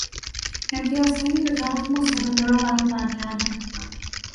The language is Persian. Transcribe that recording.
امتیازهای دو طرف مسابقه را برابر کردن